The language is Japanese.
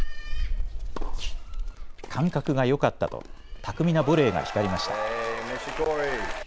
感覚がよかったと巧みなボレーが光りました。